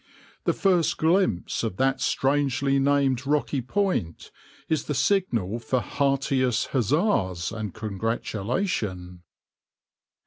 The first glimpse of that strangely named rocky point is the signal for heartiest huzzas and congratulation."